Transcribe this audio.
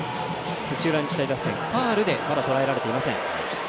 土浦日大打線、ファウルでまだとらえられていません。